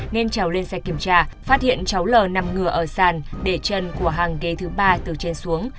nên trào lên xe kiểm tra phát hiện cháu l nằm ngửa ở sàn để chân của hàng ghế thứ ba từ trên xuống